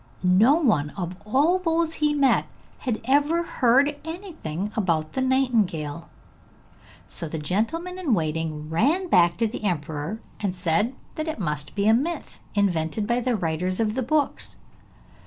No one of all those he met had ever heard anything about the nightingale; so the gentleman in waiting ran back to the emperor, and said that it must be a myth, invented by the writers of the books.